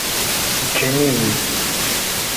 Ǧǧan-iyi.